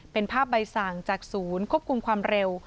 เป็นภาพใบสั่งจากศูนย์ควบคุมความเร็ว